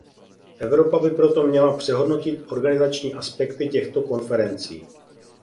Evropa by proto měla přehodnotit organizační aspekty těchto konferencí.